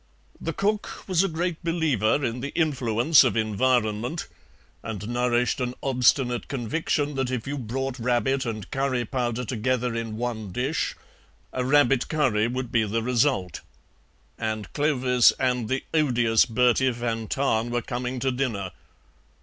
The cook was a great believer in the influence of environment, and nourished an obstinate conviction that if you brought rabbit and curry powder together in one dish a rabbit curry would be the result. And Clovis and the odious Bertie van Tahn were coming to dinner.